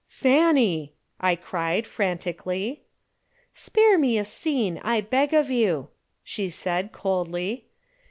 "Fanny!" I cried, frantically. "Spare me a scene, I beg of you," she said, coldly.